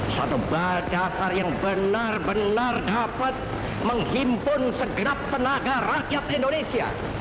satu badan yang benar benar dapat menghimpun segenap tenaga rakyat indonesia